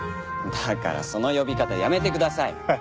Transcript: だからその呼び方やめてください。